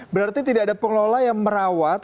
berarti tidak ada pengelola yang merawat